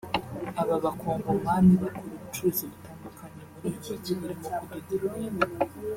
Aba bacongomani bakora ubucuruzi butandukanye muri uyu mujyi burimo kudoda imyenda